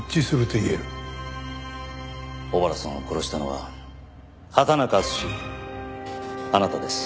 尾原さんを殺したのは畑中篤史あなたです。